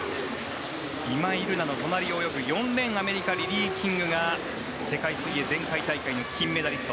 今井月の隣を泳ぐ４レーンアメリカ、リリー・キングが世界水泳前回大会の金メダリスト。